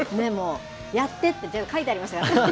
やってって書いてありましたよ。